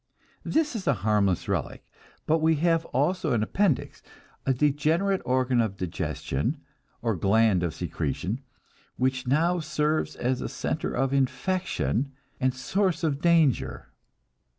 This is a harmless relic. But we have also an appendix, a degenerate organ of digestion, or gland of secretion, which now serves as a center of infection and source of danger.